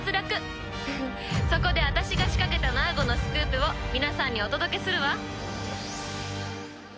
そこで私が仕掛けたナーゴのスクープを皆さんにお届けするわ